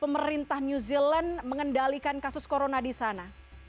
pemerintah new zealand mengendalikan kasus corona di sana